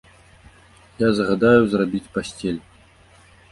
Я загадаю зрабіць пасцель.